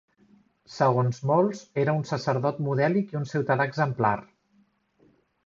Segons molts, era un sacerdot modèlic i un ciutadà exemplar.